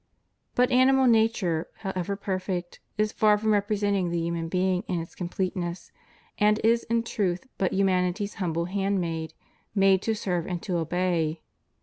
But animal nature, however perfect, is far from representing the human being in its completeness, and is in truth but humanity's humble handmaid, made to serve and to obey.